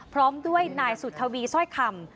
พร้อมด้วยนายสุธวีสร้อยคำ